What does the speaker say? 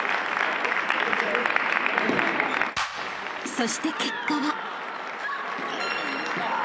［そして結果は］